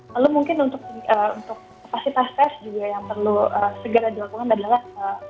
lalu mungkin untuk kapasitas tes juga yang perlu segera dilakukan adalah